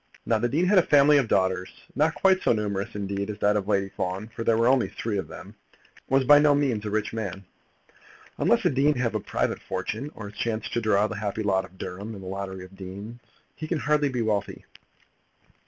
Now the dean had a family of daughters, not quite so numerous indeed as that of Lady Fawn, for there were only three of them, and was by no means a rich man. Unless a dean have a private fortune, or has chanced to draw the happy lot of Durham in the lottery of deans, he can hardly be wealthy.